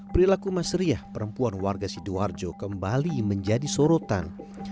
perilaku mas riah perempuan warga sidoarjo kembali menjadi sorotan